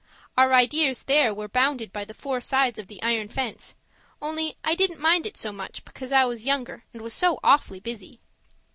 Our ideas there were bounded by the four sides of the iron fence, only I didn't mind it so much because I was younger, and was so awfully busy.